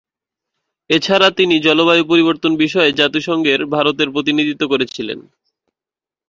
এছাড়া তিনি জলবায়ু পরিবর্তন বিষয়ে জাতিসংঘে ভারতের প্রতিনিধিত্ব করেছিলেন।